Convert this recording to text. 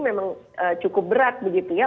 memang cukup berat begitu ya